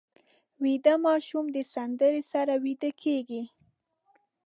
ویده ماشوم د سندرې سره ویده کېږي